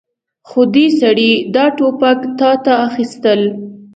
خو دې سړي دا ټوپک تاته اخيستل.